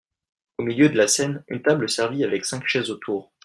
Au milieu de la scène, une table servie avec cinq chaises autour.